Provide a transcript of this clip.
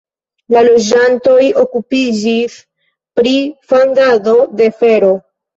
La loĝantoj okupiĝis pri fandado de fero.